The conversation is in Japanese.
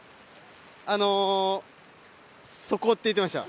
そこって言ってました。